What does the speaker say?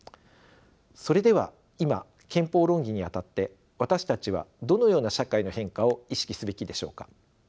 それでは今憲法論議に当たって私たちはどのような社会の変化を意識すべきでしょうか。